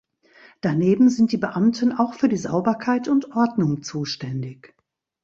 Daneben sind die Beamten auch für die Sauberkeit und Ordnung zuständig.